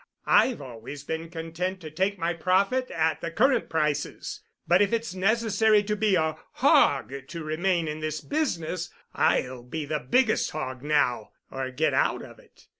I've always been content to take my profit at the current prices. But if it's necessary to be a hog to remain in this business, I'll be the biggest hog now or get out of it.